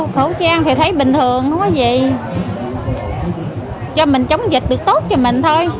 chúng ta thấy bình thường cho mình chống dịch được tốt cho mình thôi